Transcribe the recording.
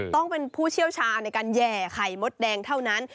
ต้องเป็นผู้เชี่ยวชาญในการแห่ไข่มดแดงเท่านั้น